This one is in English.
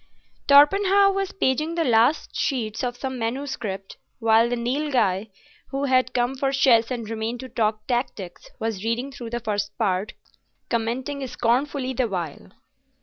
Torpenhow was paging the last sheets of some manuscript, while the Nilghai, who had come for chess and remained to talk tactics, was reading through the first part, commenting scornfully the while.